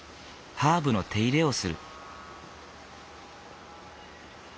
ハーブの手入れをする。